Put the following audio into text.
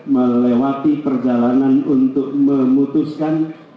melewati perjalanan untuk memutuskan